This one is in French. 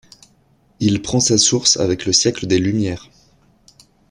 Il prend sa source avec le siècle des Lumières.